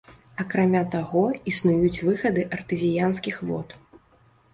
Акрамя таго, існуюць выхады артэзіянскіх вод.